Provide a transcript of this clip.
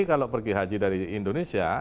kalau pergi haji dari indonesia